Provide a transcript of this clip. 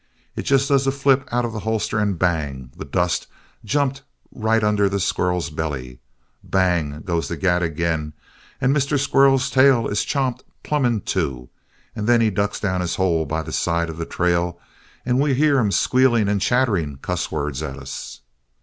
It just does a flip out of the holster and bang! The dust jumped right under the squirrel's belly. Bang! goes the gat again and Mister Squirrel's tail is chopped plumb in two and then he ducks down his hole by the side of the trail and we hear him squealing and chattering cusswords at us.